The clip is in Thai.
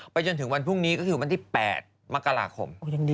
จนถึงวันพรุ่งนี้ก็คือวันที่๘มกราคม